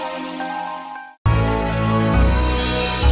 memang siapa pelakunya pak